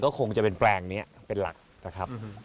ก็คงจะเป็นแปลงนี้เป็นหลักนะครับ